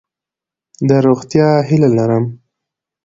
د روغتیا هیله لرم.